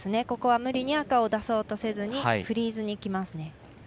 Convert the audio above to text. ここは無理に赤を出そうとせずにフリーズに行きますね。